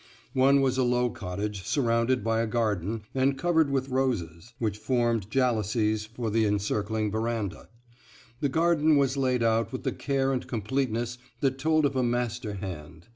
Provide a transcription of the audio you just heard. One was a low cottage, surrounded by a garden, and covered with roses, which formed jalousies for the encircling veranda. The garden was laid out with the care and completeness that told of a master hand.